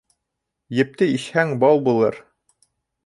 Епте ишһәң бау булыр